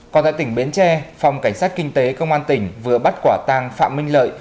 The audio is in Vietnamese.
còn tại tỉnh bến tre phòng cảnh sát kinh tế công an tỉnh vừa bắt quả tàng phạm minh lợi